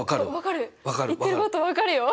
分かる。